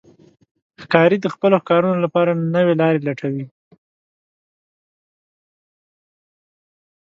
ښکاري د خپلو ښکارونو لپاره نوې لارې لټوي.